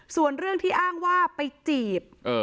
ส่วนเรื่องที่อ้างว่าไปจีบ